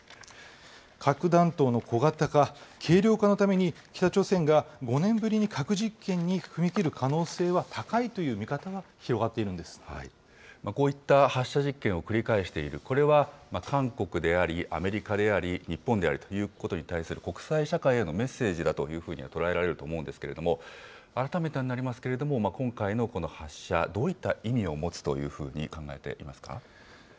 核弾頭の小型化、軽量化のために、北朝鮮が５年ぶりに核実験に踏み切る可能性は高いという見方が広こういった発射実験を繰り返している、これは韓国であり、アメリカであり、日本でありということに対する国際社会へのメッセージだというふうに捉えられると思うんですけれども、改めてになりますけれども、今回のこの発射、どういった意味を持つというふうに考えていますか。